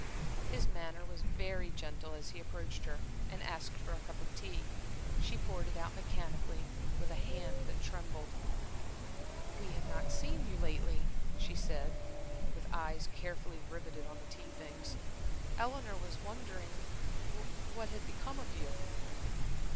His manner was very gentle as he approached her and asked for a cup of tea. She poured it out mechanically, with a hand that trembled. "We have not seen you lately," she said, with eyes carefully riveted on the tea things. "Eleanor was wondering what had become of you."